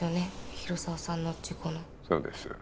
広沢さんの事故のそうです